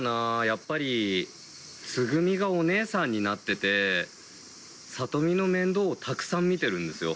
やっぱりつぐみがお姉さんになってて里美の面倒をたくさん見てるんですよ。